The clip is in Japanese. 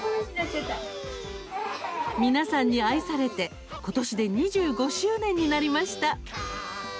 皆さんに愛されてことしで２５周年になりました。